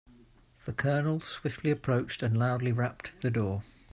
The colonel swiftly approached and loudly rapped the door.